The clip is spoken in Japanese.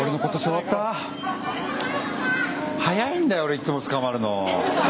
早いんだよ、いつも捕まるの。